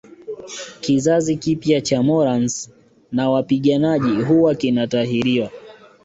Kizazi kipya cha Morans na wapiganaji huwa kinatahiriwa